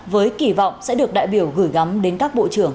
với kỳ vọng sẽ được đại biểu gửi gắm đến các bộ trưởng